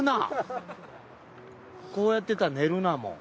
こうやってたら寝るなもう。